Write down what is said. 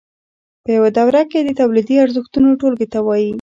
په یوه دوره کې د تولیدي ارزښتونو ټولګې ته وایي